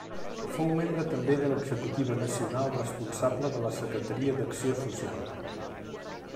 Fou membre també de l'Executiva Nacional responsable de la secretaria d'Acció Social.